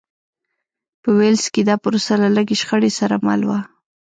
په ویلز کې دا پروسه له لږې شخړې سره مل وه.